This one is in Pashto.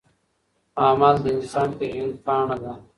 عمل د انسان پیژندپاڼه ده.